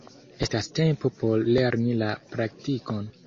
Estas tempo por lerni la praktikon.